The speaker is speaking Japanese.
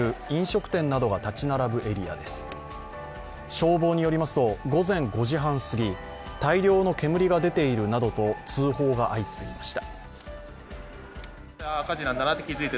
消防によりますと、午前５時半過ぎ大量の煙が出ているなどと通報が相次ぎました。